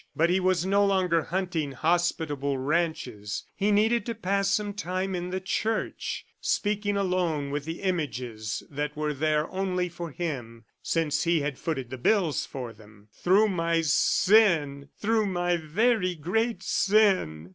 But he was no longer hunting hospitable ranches. He needed to pass some time in the church, speaking alone with the images that were there only for him since he had footed the bills for them. ... "Through my sin, through my very great sin!"